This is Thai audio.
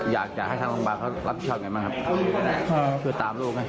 อยากจะให้ทางลงบ้านเขารับพิชาไงบ้างครับช่วยตามลูกไหม